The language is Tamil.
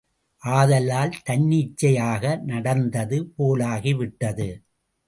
ஆதலால் தன்னிச்சையாக நடந்தது போலாகி விட்டது.